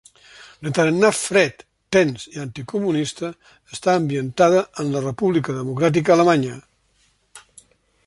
De tarannà fred, tens i anticomunista, està ambientada en la República Democràtica Alemanya.